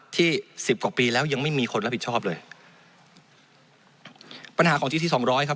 สิบกว่าปีแล้วยังไม่มีคนรับผิดชอบเลยปัญหาของทีที่สองร้อยครับ